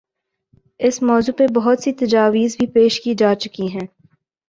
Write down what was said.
اس موضوع پہ بہت سی تجاویز بھی پیش کی جا چکی ہیں۔